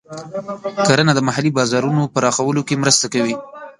کرنه د محلي بازارونو پراخولو کې مرسته کوي.